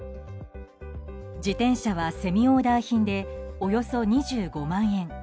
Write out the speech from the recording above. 自転車はセミオーダー品でおよそ２５万円。